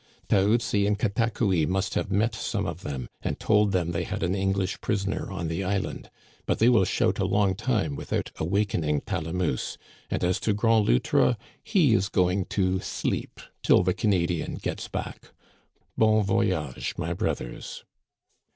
" Taoutsi and Katakoui must have met some of them, and told them they had an English prisoner on the island ; but they will shout a long time without awakening Talamousse, and as to Grand Loutre, he is going to sleep till the Canadian gets back. Bon voyage^ my brothers."